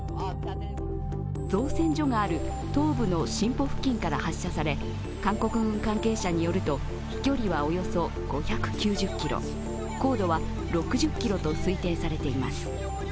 造船所がある東部のシンポ付近から発射され、韓国軍関係者によると飛距離はおよそ５９０ｋｍ、高度は６０ｋｍと推定されています。